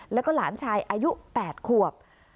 แล้วก็หลานชายอายุ๘ขวบ